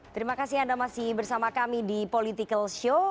terima kasih anda masih bersama kami di political show